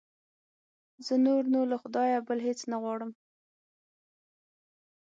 زه نور نو له خدایه بل هېڅ نه غواړم.